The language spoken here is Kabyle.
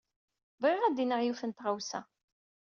Bɣiɣ ad d-iniɣ yiwet n tɣawsa.